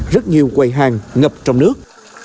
rất nhiều quầy hàng ngập trong nước